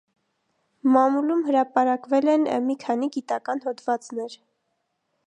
Մամուլում հրապարակվել են մի քանի գիտական հոդվածներ։